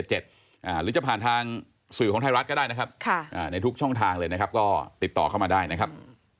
หรือจะผ่านทางสื่อของไทยรัฐก็ได้นะครับในทุกช่องทางเลยนะครับก็ติดต่อเข้ามาได้นะครับ